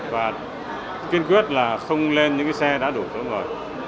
và kiên quyết là không lên những xe đã đủ cho người